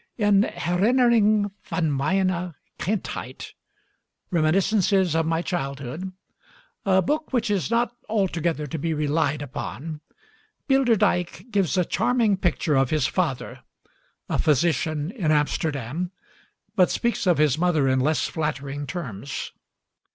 In 'Herinnering van mijne Kindheit' (Reminiscences of My Childhood), a book which is not altogether to be relied upon, Bilderdijk gives a charming picture of his father, a physician in Amsterdam, but speaks of his mother in less flattering terms.